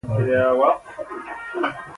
په رښتیا هم په زرو درې سوه پنځوسم کال کې.